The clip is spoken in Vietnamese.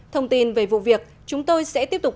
thông tin về vụ việc chúng tôi sẽ tiếp tục